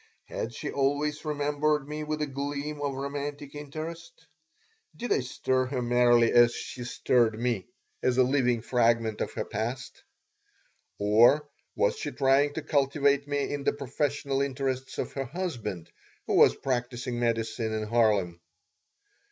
Had she always remembered me with a gleam of romantic interest? Did I stir her merely as she stirred me as a living fragment of her past? Or was she trying to cultivate me in the professional interests of her husband, who was practising medicine in Harlem?